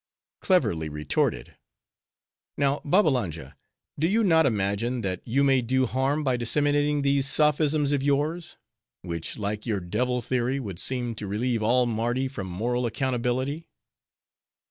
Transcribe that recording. "Cleverly retorted. Now, Babbalanja, do you not imagine, that you may do harm by disseminating these sophisms of yours; which like your devil theory, would seem to relieve all Mardi from moral accountability?"